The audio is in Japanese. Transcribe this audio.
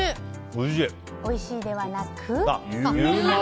おいしいではなく？